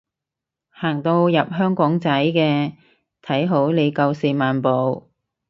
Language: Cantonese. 行到入香港仔嘅，睇好你夠四萬步